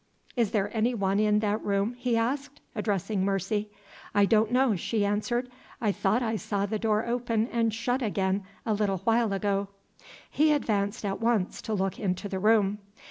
"Is there any one in that room?" he asked, addressing Mercy. "I don't know," she answered. "I thought I saw the door open and shut again a little while ago." He advanced at once to look into the room.